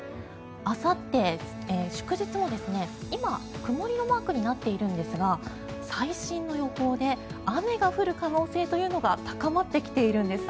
あさって祝日も今、曇りのマークになっているんですが最新の予報で雨が降る可能性というのが高まってきているんです。